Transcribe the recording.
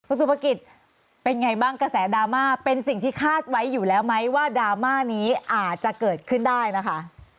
สุภกิจเป็นไงบ้างกระแสดราม่าเป็นสิ่งที่คาดไว้อยู่แล้วไหมว่าดราม่านี้อาจจะเกิดขึ้นได้นะคะ